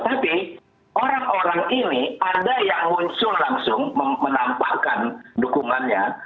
tapi orang orang ini ada yang muncul langsung menampakkan dukungannya